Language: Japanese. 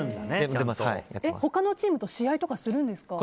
他のチームと試合とかするんですか？